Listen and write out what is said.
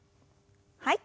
はい。